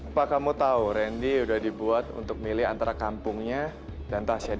apa kamu tahu randy udah dibuat untuk milih antara kampungnya dan tasnya